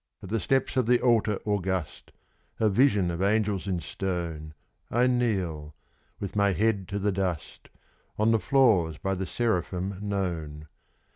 At the steps of the altar august a vision of angels in stone I kneel, with my head to the dust, on the floors by the seraphim known.